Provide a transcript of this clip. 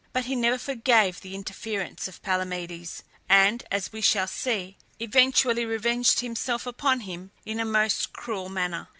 But he never forgave the interference of Palamedes, and, as we shall see, eventually revenged himself upon him in a most cruel manner.